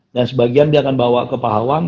dan sebagian dia akan bawa ke pahawang